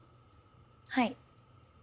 はい。